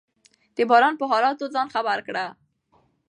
د بازار په حالاتو ځان خبر کړه.